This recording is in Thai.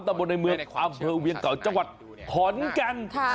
บนในเมืองอำเภอเวียงเก่าจังหวัดขอนแก่น